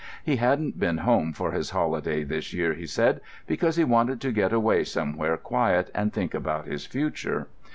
He hadn't been home for his holiday this year, he said, because he wanted to get away somewhere quiet and think about his future.